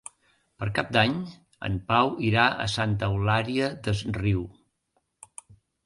Per Cap d'Any en Pau irà a Santa Eulària des Riu.